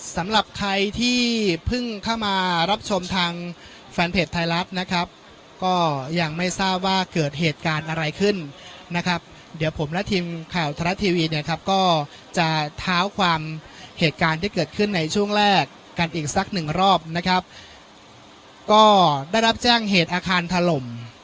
สำหรับใครที่เพิ่งเข้ามารับชมทางแฟนเพจไทยรัฐนะครับก็ยังไม่ทราบว่าเกิดเหตุการณ์อะไรขึ้นนะครับเดี๋ยวผมและทีมข่าวทะละทีวีเนี่ยครับก็จะเท้าความเหตุการณ์ที่เกิดขึ้นในช่วงแรกกันอีกสักหนึ่งรอบนะครับก็ได้รับแจ้งเหตุอาคารถล่ม